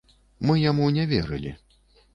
Мы яму не верылі.